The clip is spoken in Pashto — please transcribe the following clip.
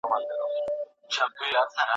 هغه غوښتل چي خپله څېړنیزه موضوع بدله کړي.